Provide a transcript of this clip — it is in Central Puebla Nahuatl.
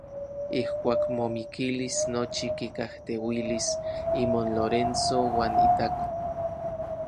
Ijkuak momikilis nochi kikajteuilis imon Lorenzo uan itako.